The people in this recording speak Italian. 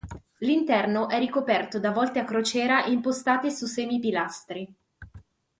L'interno è ricoperto da volte a crociera impostate su semipilastri.